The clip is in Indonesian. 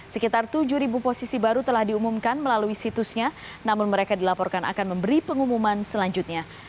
sekitar tujuh posisi baru telah diumumkan melalui situsnya namun mereka dilaporkan akan memberi pengumuman selanjutnya